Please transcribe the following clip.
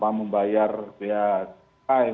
tanpa membayar biaya